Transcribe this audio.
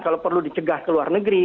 kalau perlu dicegah ke luar negeri